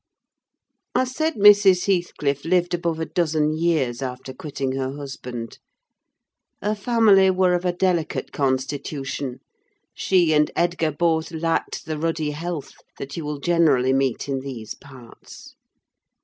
I said Mrs. Heathcliff lived above a dozen years after quitting her husband. Her family were of a delicate constitution: she and Edgar both lacked the ruddy health that you will generally meet in these parts.